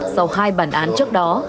sau hai bản án trước đó